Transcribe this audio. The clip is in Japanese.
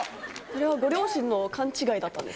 ご両親の勘違いだったんです